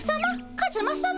カズマさま？